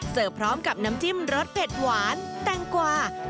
พร้อมกับน้ำจิ้มรสเผ็ดหวานแตงกว่า